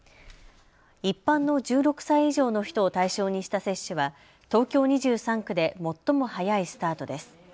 一般の１６歳以上の人を対象にした接種は東京２３区で最も早いスタートです。